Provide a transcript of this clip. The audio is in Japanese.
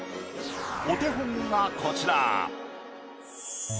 お手本がこちら。